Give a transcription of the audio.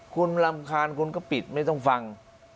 คุณรำคาญคุณก็ปิดไม่ต้องฟัง